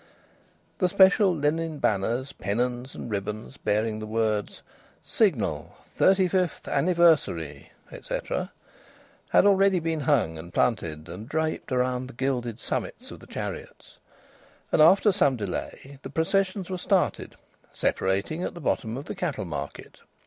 The special linen banners, pennons, and ribbons bearing the words "SIGNAL: THIRTY FIFTH ANNIVERSARY," &c. had already been hung and planted and draped about the gilded summits of the chariots. And after some delay the processions were started, separating at the bottom of the Cattle Market.